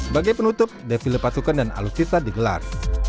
bagai penutup defile pasukan dan alutsisa digelar